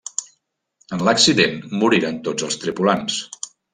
En l'accident moriren tots els tripulants.